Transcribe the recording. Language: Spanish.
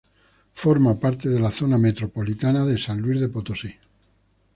Forma parte de la Zona Metropolitana de San Luis Potosí.